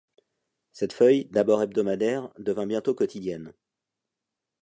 Cette feuille, d’abord hebdomadaire, devint bientôt quotidienne.